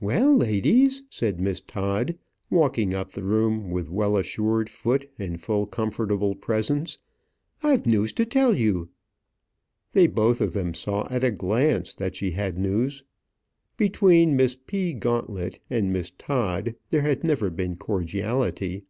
"Well, ladies," said Miss Todd, walking up the room with well assured foot and full comfortable presence, "I've news to tell you." They both of them saw at a glance that she had news. Between Miss P. Gauntlet and Miss Todd there had never been cordiality.